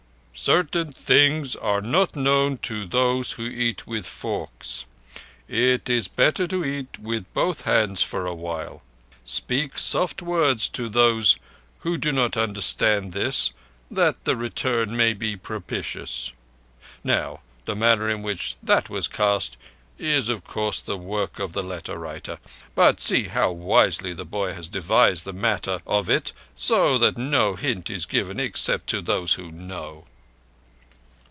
"'_Certain things are not known to those who eat with forks. It is better to eat with both hands for a while. Speak soft words to those who do not understand this that the return may be propitious._' Now the manner in which that was cast is, of course, the work of the letter writer, but see how wisely the boy has devised the matter of it so that no hint is given except to those who know!"